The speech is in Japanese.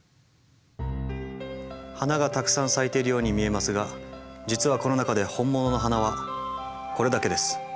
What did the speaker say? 花がたくさん咲いているように見えますが実はこの中でホンモノの花はこれだけです。